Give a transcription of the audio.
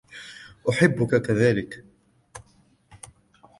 أحبك كذلك.